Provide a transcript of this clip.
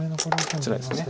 こちらですね。